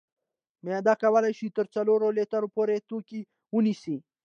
معده کولی شي تر څلورو لیترو پورې توکي ونیسي.